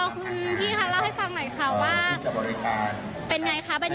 คุณพี่ค่ะเล่าให้ฟังหน่อยค่ะว่าเป็นไงคะ